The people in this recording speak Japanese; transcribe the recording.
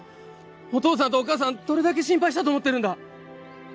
お父さんとお母さんどれだけ心配したと思ってるんだ！